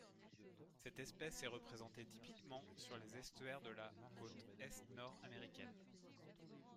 Cette espèce est représentée typiquement sur les estuaires de la côte Est Nord américaine.